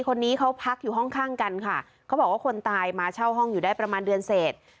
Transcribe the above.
คนนี้เขาพักอยู่ห้องข้างกันค่ะเขาบอกว่าคนตายมาเช่าห้องอยู่ได้ประมาณเดือนเศษ